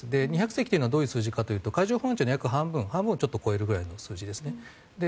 ２００隻はどういう数字かというと海上保安庁の約半分を超えるくらいの数字ですね。